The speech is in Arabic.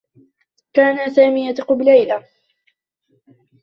كان سامي يثق بليلى.